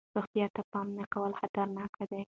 روغتیا ته پام نه کول خطرناک دی.